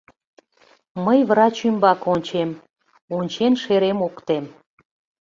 Мый врач ӱмбаке ончем, ончен шерем ок тем.